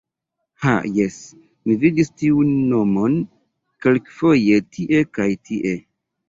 Ha jes, mi vidis tiun nomon kelkfoje tie kaj tie.